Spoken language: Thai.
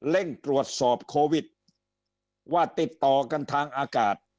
เร่งตรวจสอบโควิดว่าติดต่อกันทางอากาศ